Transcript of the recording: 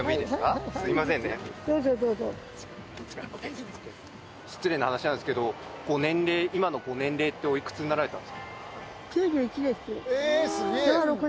はいはいどうぞどうぞ失礼な話なんですけどご年齢今のご年齢っておいくつになられたんですか？